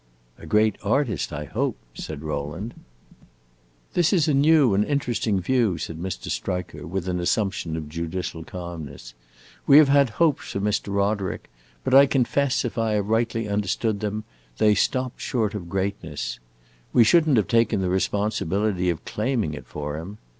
"A great artist, I hope," said Rowland. "This is a new and interesting view," said Mr. Striker, with an assumption of judicial calmness. "We have had hopes for Mr. Roderick, but I confess, if I have rightly understood them, they stopped short of greatness. We should n't have taken the responsibility of claiming it for him.